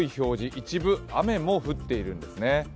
一部雨も降っているんですね。